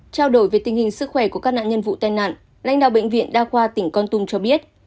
trao đổi về tình hình sức khỏe của các nạn nhân vụ tai nạn lãnh đạo bệnh viện đa khoa tỉnh con tum cho biết